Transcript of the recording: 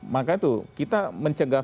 maka itu kita mencegah